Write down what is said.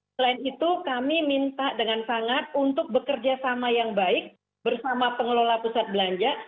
selain itu kami minta dengan sangat untuk bekerja sama yang baik bersama pengelola pusat belanja